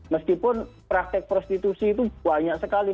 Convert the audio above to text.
meskipun praktek prostitusi itu banyak sekali